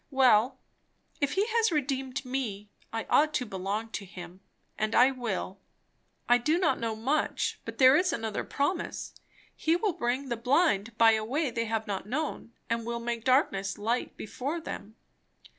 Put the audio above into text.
Well, if he has redeemed me, I ought to belong to him, and I will! I do not know much, but there is another promise; he will bring the blind by a way they have not known, and will make darkness light before them.